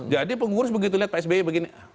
jadi pengurus begitu lihat pak sby begini